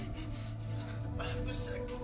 iwan iwan bangun iwan bangun